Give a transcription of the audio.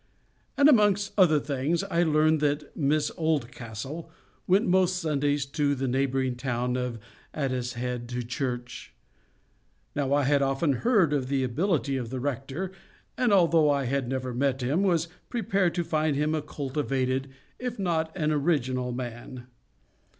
And amongst other things, I learned that Miss Oldcastle went most Sundays to the neighbouring town of Addicehead to church. Now I had often heard of the ability of the rector, and although I had never met him, was prepared to find him a cultivated, if not an original man.